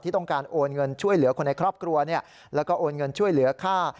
ต้องการโอนเงินช่วยเหลือคนในครอบครัวแล้วก็โอนเงินช่วยเหลือค่า